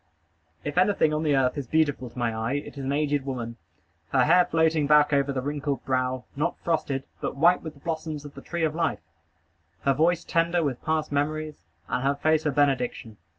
If anything on the earth is beautiful to my eye, it is an aged woman; her hair floating back over the wrinkled brow, not frosted, but white with the blossoms of the tree of life; her voice tender with past memories, and her face a benediction.